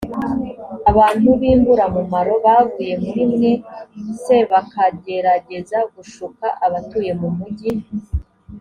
abantu b imburamumaro bavuye muri mwe cbakagerageza gushuka abatuye mu mugi